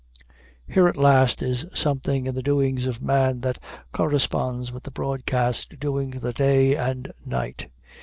Here at last is something in the doings of man that corresponds with the broadcast doings of the day and night.